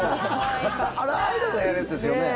あれアイドルがやるやつですよね。